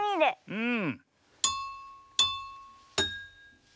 うん。